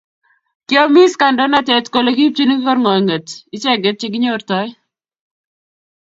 kiyomiss kaindoinatet kole kipchini kergonyet icheget che kinyortoi